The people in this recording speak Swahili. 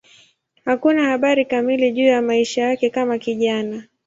Hakuna habari kamili juu ya maisha yake kama kijana.